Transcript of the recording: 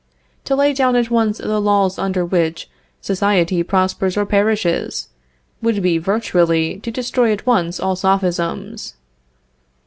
To lay down at once the laws under which society prospers or perishes, would be virtually to destroy at once all Sophisms.